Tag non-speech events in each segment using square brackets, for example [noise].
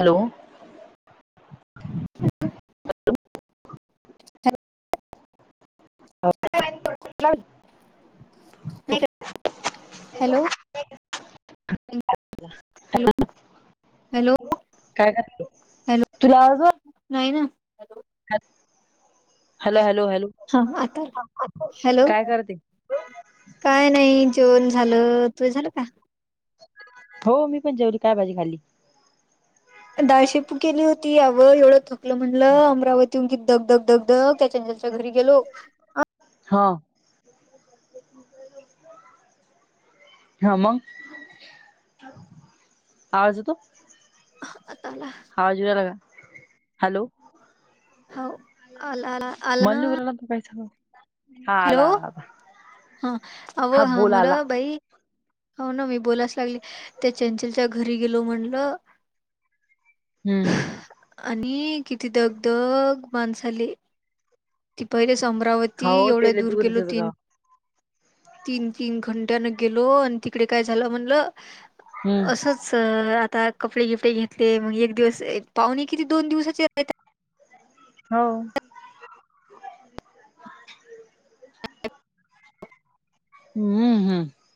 Hello हॅल ह [unintelligible] hello hello hello काय करते तुला आवाज वर नाही ना हॅलो हॅलो हॅलो हा आता हॅलो काय करते? काय नाही जेवण झालं तु झालं का? हो मी जेवले काय भाजी खाली? डाळशेपू केली होती यावं एवढं आपलं म्हणलं अमरावती वरून कि धग धगधग त्याच्यानी त्याच्या घरी गेलो. हो हा मग आवाज येतो? आता आला हवाजग्या ला का [unintelligible] हो आला आल ना [unintelligible] हा हॅलो आला आला आला हा अ हा बोल मेरा आला भाई हो ना मी बोलायच लागली त्या चंचलच्या घरी गेलो म्हणलं. हम्म आणि किती दगधग माणसाले ती पहिले अमरावती हो एवढ्या ते लय दूर गेलो दूरचच गाव तीन तीन तीन घंट्याने गेलो आणि तिकडे काय झालं म्हणलं हम्म असंच स आता कपडे गिफ्ट घेतले मग एक दिवस पाहुणे किती दोन दिवसाचे राहतं हो हम्म हम्म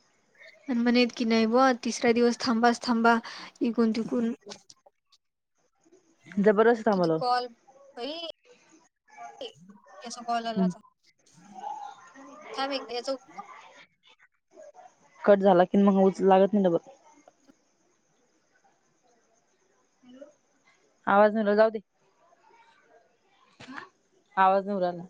आणि मन येत की नाहीय बो तिसरा दिवस थांबाच थांबा इकून तुघून ह किती कॉल बाई जस कॉलला हम्म. [unintelligible] वेगळा याचा उप [unintelligible] कट झाला की मग उचला लागतं नाही डबल आवाज निरला जाऊ दे. आ आवाज निवरायला.